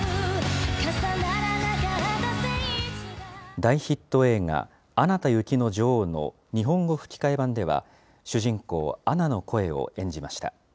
大ヒット映画、アナと雪の女王の日本語吹き替え版では、主人公、アナの声を演じました。